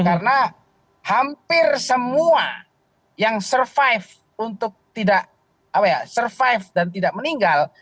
karena hampir semua yang survive untuk tidak survive dan tidak meninggal